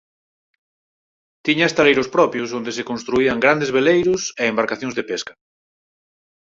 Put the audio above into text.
Tiña estaleiros propios onde se construían grandes veleiros e embarcacións de pesca.